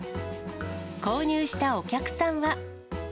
購入したお客さんは。